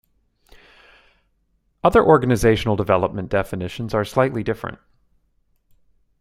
Other organizational development definitions are slightly different.